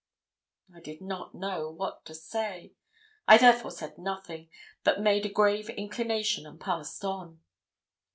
I did not know what to say. I therefore said nothing, but made a grave inclination, and passed on.